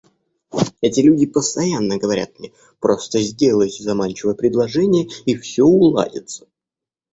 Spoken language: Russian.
Эти люди постоянно говорят мне: «Просто сделайте заманчивое предложение, и все удалится».